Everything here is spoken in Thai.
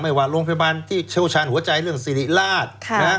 ว่าโรงพยาบาลที่เชี่ยวชาญหัวใจเรื่องสิริราช